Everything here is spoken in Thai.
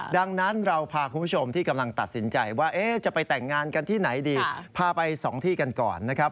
ดังนั้นเราพาคุณผู้ชมที่กำลังตัดสินใจว่าจะไปแต่งงานกันที่ไหนดีพาไปสองที่กันก่อนนะครับ